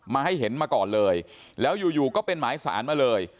ให้เห็นมาก่อนเลยแล้วอยู่ก็เป็นหมายสารมาเลย